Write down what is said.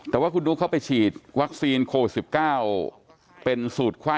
แต่ว่าคุณดูเขาไปฉีดวัคซีนโควิด๑๙เป็นสูตรไข้